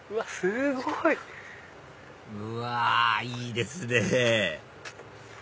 すごい！うわいいですね